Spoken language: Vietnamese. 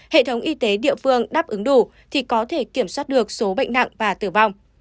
hệ thống y tế địa phương đáp ứng đủ thì có thể kiểm soát được số bệnh nặng và tử vong